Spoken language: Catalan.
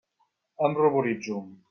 Em ruboritzo.